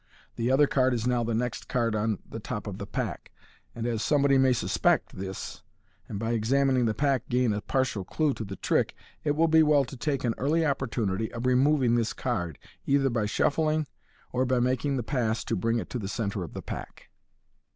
The other card is now the next card on the top of the pack, and, as somebody may suspect this, and by examining the pack gain a partial clue to the trick, it will be well to take an early opportunity of removing this card, either by shuffling, of by making the pass to bring it to the centre of the pack.